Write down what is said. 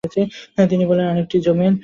তিনি বললেনঃ আরেকটি যমীন।